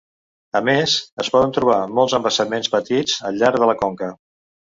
A més, es poden trobar molts embassaments petits al llarg de la conca.